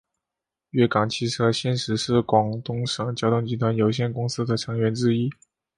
粤港汽车现时是广东省交通集团有限公司的成员之一。